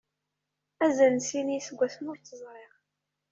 Azal n sin yiseggasen ur tt-ẓriɣ.